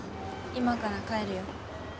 今から帰るよ。